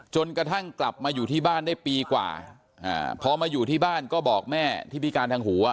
จนกระทั่งกลับมาอยู่ที่บ้านได้ปีกว่าพอมาอยู่ที่บ้านก็บอกแม่ที่พิการทางหูอ่ะ